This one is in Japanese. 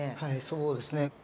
はいそうですね。